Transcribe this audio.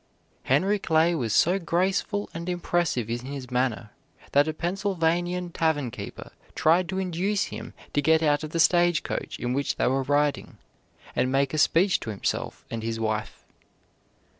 Henry Clay was so graceful and impressive in his manner that a Pennsylvania tavern keeper tried to induce him to get out of the stage coach in which they were riding, and make a speech to himself and his wife.